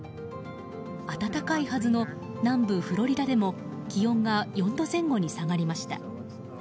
暖かいはずの南部フロリダでも気温が４度前後に下がりました。